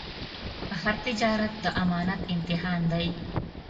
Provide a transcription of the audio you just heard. هر تجارت د امانت امتحان دی.